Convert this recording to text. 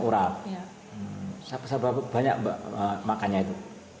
urap ya sebab banyak makannya itu